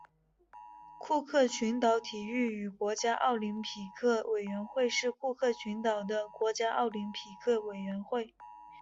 库克群岛体育与国家奥林匹克委员会是库克群岛的国家奥林匹克委员会。